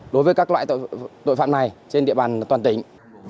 đối với các loại tội phạm này trên địa bàn toàn tỉnh